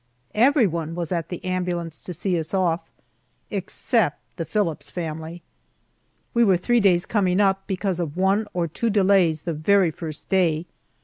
Everyone was at the ambulance to see us off except the Phillips family. We were three days coming up, because of one or two delays the very first day.